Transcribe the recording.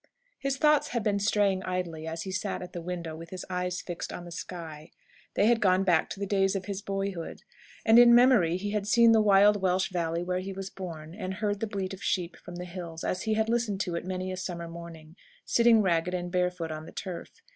His thoughts had been straying idly as he sat at the window, with his eyes fixed on the sky. They had gone back to the days of his boyhood, and in memory he had seen the wild Welsh valley where he was born, and heard the bleat of sheep from the hills, as he had listened to it many a summer morning, sitting ragged and barefoot on the turf.